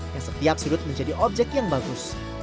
yang setiap sudut menjadi objek yang bagus